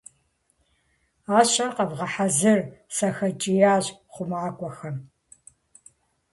- Ӏэщэр къэвгъэхьэзыр! – сахэкӀиящ хъумакӀуэхэм.